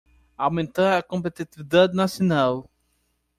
Aumentar a competitividade nacional